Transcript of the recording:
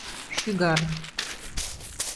Шӱгар…